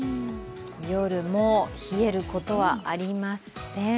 夜も冷えることはありません。